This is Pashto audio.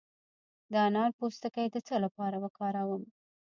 د انار پوستکی د څه لپاره وکاروم؟